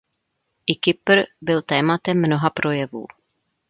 I Kypr byl tématem mnoha projevů.